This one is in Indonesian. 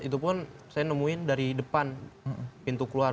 itu pun saya nemuin dari depan pintu keluar